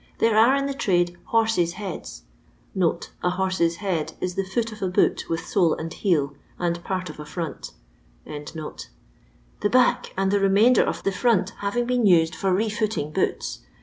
There are in the trade * horses' heads '— a 'horse's head ' is the foot of a boot with sole and heel, and part of a front — the back and the remainder of the front having been used for refooting boots.